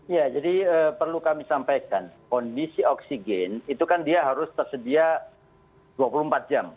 ya jadi perlu kami sampaikan kondisi oksigen itu kan dia harus tersedia dua puluh empat jam